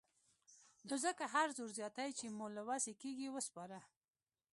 نو ځکه هر زور زياتی چې مو له وسې کېږي وسپاره.